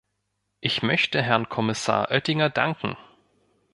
Ich möchte Herrn Kommissar Oettinger danken.